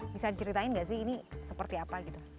bisa diceritain nggak sih ini seperti apa gitu